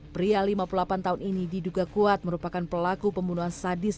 pria lima puluh delapan tahun ini diduga kuat merupakan pelaku pembunuhan sadis